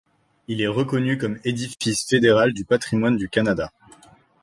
Il est reconnu comme édifice fédéral du patrimoine du Canada.